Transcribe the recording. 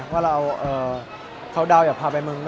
ว่าเราเขาดาวน์อยากพาไปเมือง